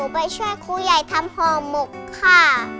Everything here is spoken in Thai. ไปช่วยครูใหญ่ทำห่อหมกค่ะ